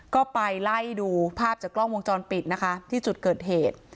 ก็ไปไล่ดูภาพจากกล้องวงจรปิดนะคะที่จุดเกิดเหตุ